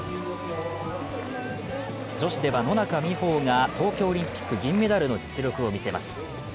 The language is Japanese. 女子では、野中生萌が東京オリンピック銀メダルの実力を見せます。